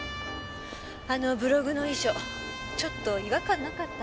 あのブログの遺書ちょっと違和感なかった？